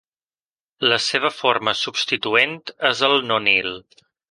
La seva forma substituent és el nonil.